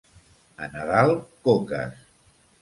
A Nadal, coques.